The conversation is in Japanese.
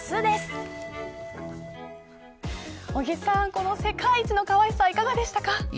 尾木さん、この世界一のかわいさ、いかがでしたか。